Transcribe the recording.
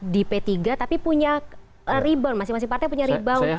di p tiga tapi punya rebound masing masing partai punya rebound